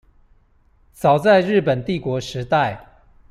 早在日本帝國時代